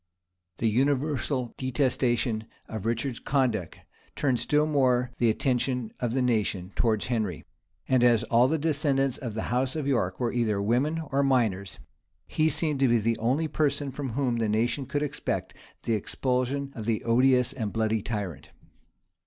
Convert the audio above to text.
The universal detestation of Richard's conduct turned still more the attention of the nation towards Henry; and as all the descendants of the house of York were either women or minors, he seemed to be the only person from whom the nation could expect the expulsion of the odious and bloody tyrant.